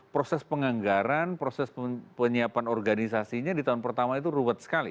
proses penganggaran proses penyiapan organisasinya di tahun pertama itu ruwet sekali